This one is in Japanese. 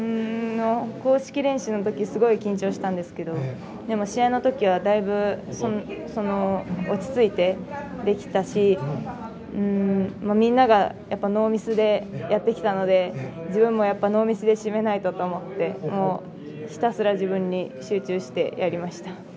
公式練習の時すごい緊張したんですけどでも、試合の時はだいぶ落ち着いてできたしみんながノーミスでやってきたので自分もノーミスで締めないとと思ってひたすら自分に集中してやりました。